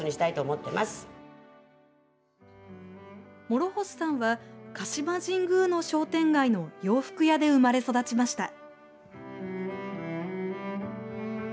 諸星さんは鹿島神宮の商店街の洋服屋で生まれ育ちました。